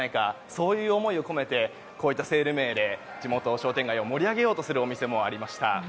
そういう思いを込めてこういったセール名で地元商店街を盛り上げようとするお店もありました。